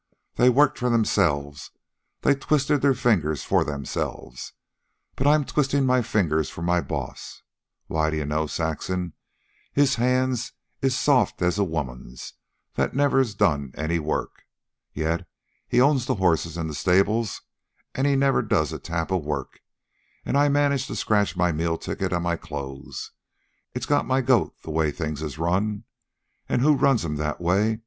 They worked for themselves. They twisted their fingers for themselves. But I'm twistin' my fingers for my boss. Why, d'ye know, Saxon, his hands is soft as a woman's that's never done any work. Yet he owns the horses an' the stables, an' never does a tap of work, an' I manage to scratch my meal ticket an' my clothes. It's got my goat the way things is run. An' who runs 'em that way?